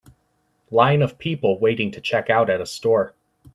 Line of people waiting to checkout at a store.